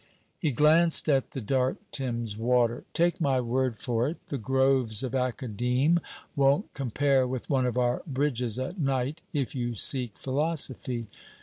He glanced at the dark Thames water. 'Take my word for it, the groves of Academe won't compare with one of our bridges at night, if you seek philosophy.